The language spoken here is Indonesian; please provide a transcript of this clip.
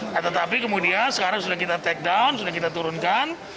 nah tetapi kemudian sekarang sudah kita take down sudah kita turunkan